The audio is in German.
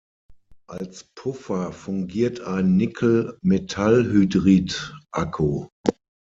Als Puffer fungiert ein Nickel-Metallhydrid-Akku.